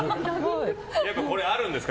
やっぱり、あるんですか？